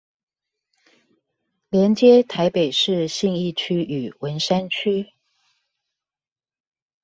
連接臺北市信義區與文山區